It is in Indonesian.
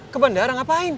ke bandara ngapain